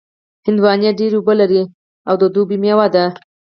هندوانې ډېر اوبه لري او د دوبي مېوه ده.